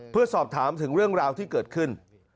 เพื่อสอบถามถึงเรื่องราวที่เกิดขึ้น